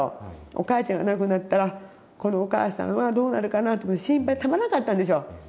お母ちゃんが亡くなったらこのお母さんはどうなるかなと心配でたまらんかったんでしょう。